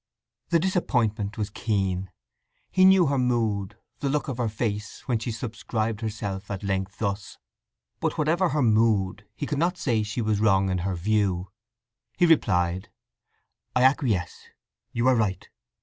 The disappointment was keen. He knew her mood, the look of her face, when she subscribed herself at length thus. But, whatever her mood, he could not say she was wrong in her view. He replied: I acquiesce. You are right.